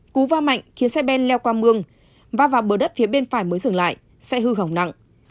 cú va mạnh khiến xe ben leo qua mương và vào bờ đất phía bên phải mới dừng lại sẽ hư hỏng nặng